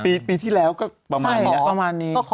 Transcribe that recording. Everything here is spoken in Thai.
ปีที่แล้วก็ประมาณนี้